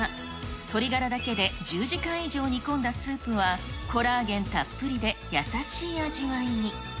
鶏ガラだけで１０時間以上煮込んだスープは、コラーゲンたっぷりで優しい味わいに。